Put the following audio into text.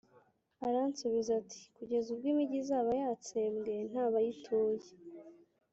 Aransubiza ati «Kugeza ubwo imigi izaba yatsembwe, nta bayituye,